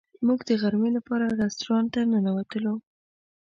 موږ د غرمې لپاره رسټورانټ ته ننوتلو.